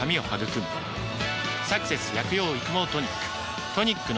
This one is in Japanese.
「サクセス薬用育毛トニック」